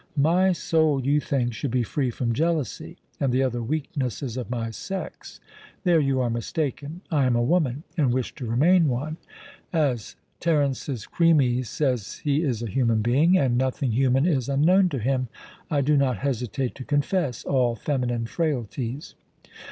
My soul, you think, should be free from jealousy and the other weaknesses of my sex. There you are mistaken. I am a woman, and wish to remain one. As Terence's Chremes says he is a human being, and nothing human is unknown to him, I do not hesitate to confess all feminine frailties.